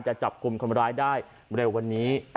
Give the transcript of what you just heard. จะจับกลุ่มคนร้ายได้เร็ววันนี้